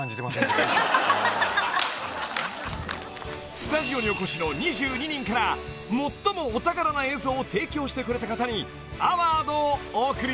［スタジオにお越しの２２人から最もお宝な映像を提供してくれた方にアワードをお送りします］